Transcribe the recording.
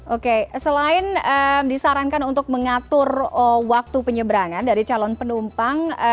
oke selain disarankan untuk mengatur waktu penyeberangan dari calon penumpang